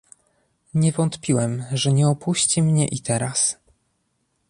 "Nie wątpiłem, że nie opuści mnie i teraz."